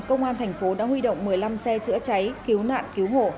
công an thành phố đã huy động một mươi năm xe chữa cháy cứu nạn cứu hộ